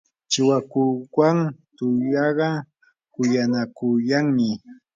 chiwakuwan tuyaqa kuyanakuyanmi.